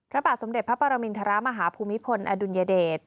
พระบาทสมเด็จพระปรมินทรมาฮภูมิพลอดุลยเดช